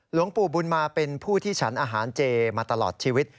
หลวงปู่บุญมาเป็นผู้ที่ฉันอาหารเจมาตลอดชีวิต